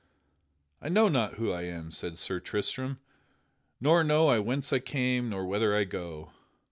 "I know not who I am," said Sir Tristram, "nor know I whence I came nor whither I go.